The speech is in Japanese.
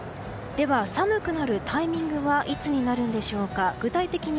では、寒くなるタイミングはいつになるんでしょうか。